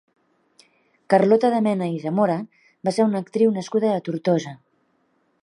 Carlota de Mena i Zamora va ser una actriu nascuda a Tortosa.